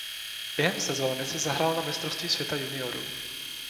Během sezóny si zahrál na Mistrovství světa juniorů.